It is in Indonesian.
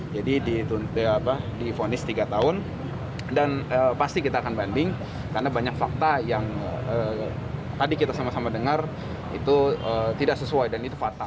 jadi difonis tiga tahun dan pasti kita akan banding karena banyak fakta yang tadi kita sama sama dengar itu tidak sesuai dan itu fatal